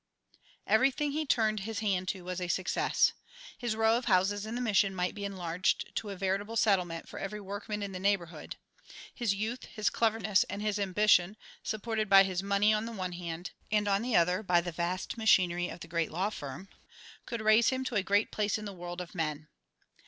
Everything he turned his hand to was a success. His row of houses in the Mission might be enlarged to a veritable settlement for every workman in the neighbourhood. His youth, his cleverness, and his ambition, supported by his money on the one hand, and on the other by the vast machinery of the great law firm, could raise him to a great place in the world of men.